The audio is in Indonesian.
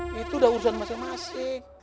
nah itu udah urusan masing masing